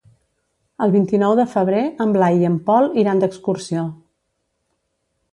El vint-i-nou de febrer en Blai i en Pol iran d'excursió.